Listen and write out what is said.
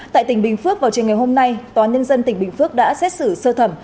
tại tỉnh bình phước vào chiều ngày hôm nay tòa nhân dân tỉnh bình phước đã xét xử sơ thẩm